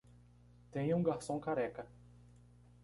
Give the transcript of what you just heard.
Tenha um garçom careca